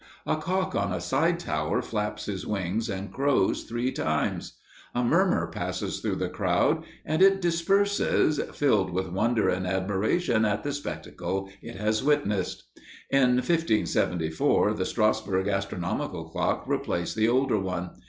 A cock on a side tower flaps his wings and crows three times. A murmur passes through the crowd, and it disperses, filled with wonder and admiration at the spectacle it has witnessed." In 1574, the Strassburg astronomical clock replaced the older one.